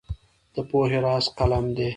د پوهې راز قلم دی.